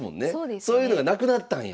そういうのがなくなったんや。